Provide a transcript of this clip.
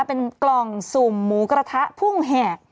เป็นกล่องสุ่มหมูกระทะพุ่งแหก